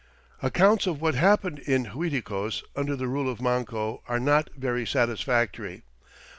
Accounts of what happened in Uiticos under the rule of Manco are not very satisfactory.